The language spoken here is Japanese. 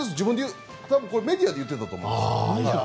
メディアで言っていたと思います。